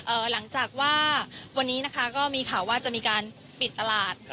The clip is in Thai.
หลังจากว่าวันนี้นะคะก็มีข่าวว่าจะมีการปิดตลาด